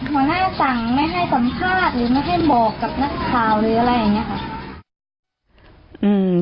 หัวหน้าสั่งไม่ให้สัมภาษณ์หรือไม่ให้บอกกับนักข่าวหรืออะไรอย่างนี้ค่ะ